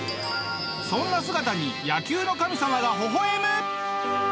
そんな姿に野球の神様がほほ笑む！